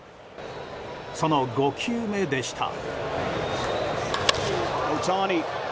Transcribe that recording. その５球目でした。